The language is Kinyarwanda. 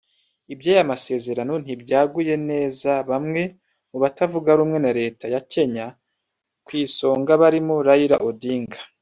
Iby’aya masezerano ntibyaguye neza bamwe mu batavuga rumwe na Leta ya Kenya ku isonga barimo Raila Odinga